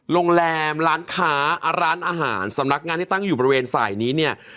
โรงแรมร้านค้าร้านอาหารสำนักงานที่ตั้งอยู่บริเวณสายนี้เนี่ย